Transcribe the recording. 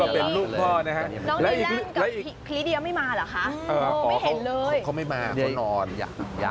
น้องดีแลนด์ที่พี่พรีเดียไม่มาหรอฮะเค้าปิดเห็นเลย